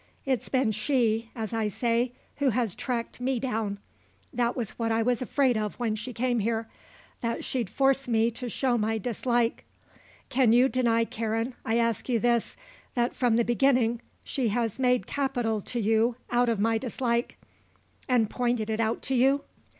It's been she, as I say, who has tracked me down. That was what I was afraid of if she came here; that she'd force me to show my dislike. Can you deny, Karen, I ask you this, that from the beginning she has made capital to you out of my dislike, and pointed it out to you?"